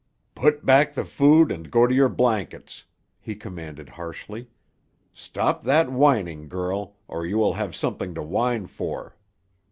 "Put back the food and go to your blankets," he commanded harshly. "Stop that whining, girl, or you will have something to whine for."